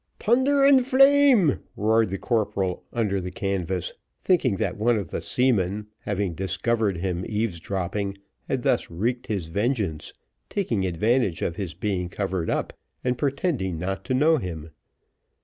"Tunder and flame," roared the corporal under the canvas, thinking that one of the seamen, having discovered him eavesdropping, had thus wreaked his revenge, taking advantage of his being covered up, and pretending not to know him.